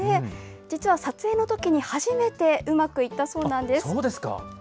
実は撮影のときに、初めてうまくそうですか。